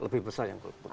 lebih besar yang goal put